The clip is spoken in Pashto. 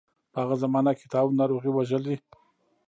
په هغه زمانه کې طاعون ناروغۍ وژلي.